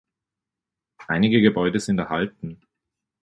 Einige Gebäude sind erhalten.